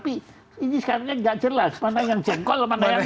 pertanyaan saya pertama saya tertarik sekali kepada istilah minum jengkol dan minum wine